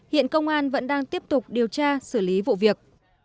hiện công an vẫn đang tiếp tục điều tra xử lý vụ việc